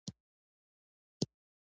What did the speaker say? غول د بدن د پاکولو سرتېری دی.